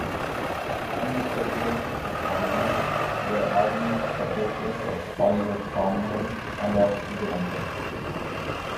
Early settlers of the colony were ardent supporters of Oliver Cromwell and of democracy.